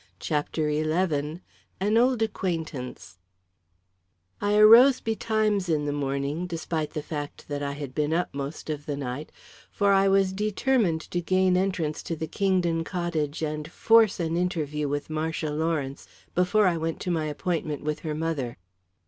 CHAPTER XI An Old Acquaintance I arose betimes in the morning, despite the fact that I had been up most of the night, for I was determined to gain entrance to the Kingdon cottage and force an interview with Marcia Lawrence before I went to my appointment with her mother.